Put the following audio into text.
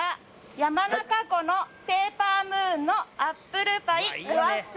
「山中湖のペーパームーンのアップルパイ」「食わっせ！」